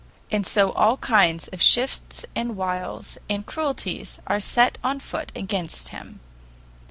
And so all kinds of shifts and wiles and cruelties are set on foot against him.